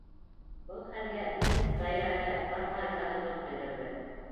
Был хәлгә бизнес даирәһе ҡырҡа ризаһыҙлыҡ белдерҙе.